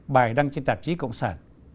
bài đăng trên tạp chí cộng sản